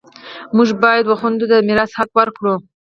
موږ باید و خویندو ته د میراث حق ورکړو